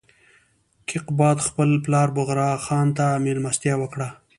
کیقباد خپل پلار بغرا خان ته مېلمستیا وکړه.